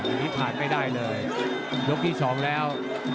อันนี้ผ่านไปได้เลยลดที่๒แล้ว